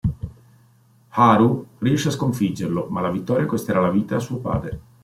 Haru riesce a sconfiggerlo, ma la vittoria costerà la vita a suo padre.